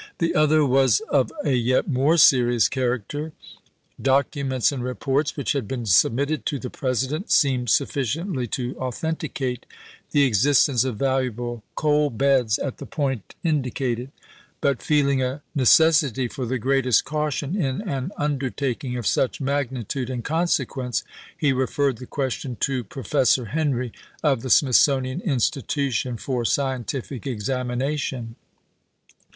The other was of a yet more serious character. Documents and reports which had been submitted to the President seemed sufficiently to authenticate the existence of valuable coal beds at the point indicated ; but feeling a necessity for the greatest caution in an undertaking of such magnitude and consequence, he referred the question to Professor Henry, of the Smithsonian Institution, for scientific examination.